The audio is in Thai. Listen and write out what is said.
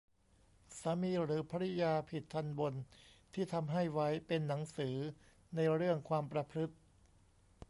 สามีหรือภริยาผิดทัณฑ์บนที่ทำให้ไว้เป็นหนังสือในเรื่องความประพฤติ